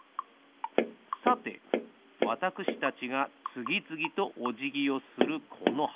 さてわたくしたちがつぎつぎとおじぎをするこのはこ。